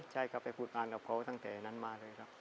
ใช่ครับไปพูดอ่านกับเขาตั้งแต่นั้นมาเลยครับ